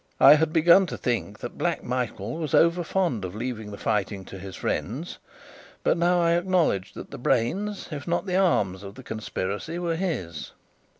I had begun to think that Black Michael was over fond of leaving the fighting to his friends; but now I acknowledged that the brains, if not the arms, of the conspiracy were his.